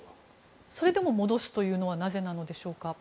それでも戻すというのはなぜでしょう。